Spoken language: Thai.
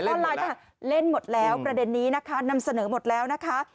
ออนไลน์ถ้าเล่นหมดแล้วประเด็นนี้นะคะนำเสนอหมดแล้วนะคะ